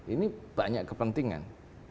ini banyak kepentingan